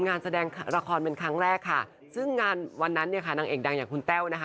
งานแสดงละครเป็นครั้งแรกค่ะซึ่งงานวันนั้นเนี่ยค่ะนางเอกดังอย่างคุณแต้วนะคะ